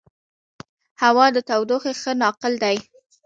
هوا د تودوخې ښه ناقل نه دی.